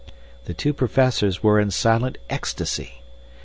The two professors were in silent ecstasy.